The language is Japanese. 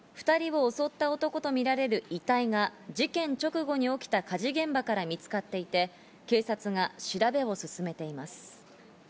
２人を襲った男とみられる遺体が事件直後に起きた火事現場から見つかっていて、警察が調べを進めています。